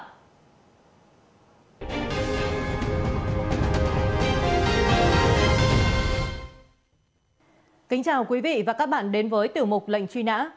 kính chào quý vị và các bạn đến với tiểu mục lệnh truy nã